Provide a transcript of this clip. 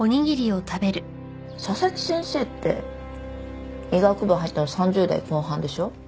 佐々木先生って医学部入ったの３０代後半でしょ？